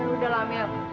ya udah lah mil